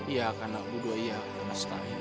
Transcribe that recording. ia akan laku doa ia pada setahun ini